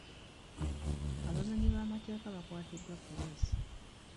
Abamenyi b'amateeka bakwatiddwa poliisi.